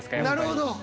なるほど。